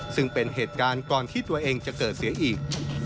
ซึ่งเป็นเหตุการณ์ก่อนที่ตัวเองจะเกิดเสียอีก